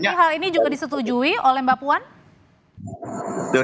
tapi hal ini juga disetujui oleh mbak puan